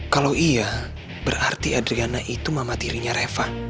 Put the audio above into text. kalau iya berarti adriana itu mama tirinya reva